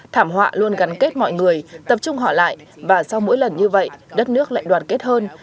thảm họa luôn gắn kết mọi người tập trung họ lại và sau mỗi lần như vậy đất nước lại đoàn kết hơn